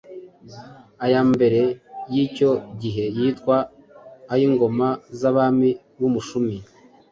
Aya mbere y’icyo gihe yitwa ay’ingoma z’ “Abami b’Umushumi”,